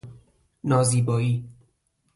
نازیبائی